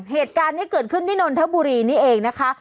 เหตุการณ์นี้เกิดขึ้นที่นนทบุรีนี่เองนะคะ